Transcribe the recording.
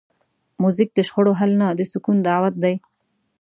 موزیک د شخړو حل نه، د سکون دعوت دی.